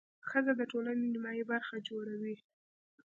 ښځه د ټولنې نیمایي برخه جوړوي.